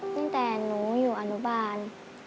ตั้งแต่หนูอยู่อนุบาล